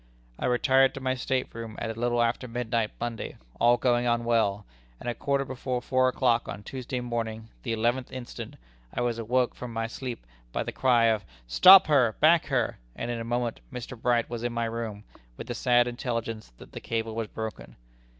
"I retired to my state room at a little after midnight Monday, all going on well, and at a quarter before four o'clock on Tuesday morning, the eleventh instant, I was awoke from my sleep by the cry of 'Stop her, back her!' and in a moment Mr. Bright was in my room, with the sad intelligence that the cable was broken.